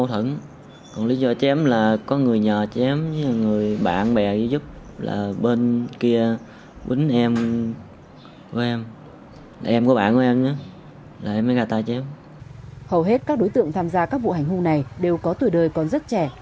hầu hết các đối tượng tham gia các vụ hành hung này đều có tuổi đời còn rất trẻ